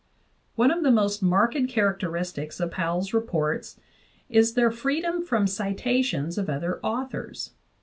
One of the most marked characteristics of Powell's reports is their freedom from citations of other authors.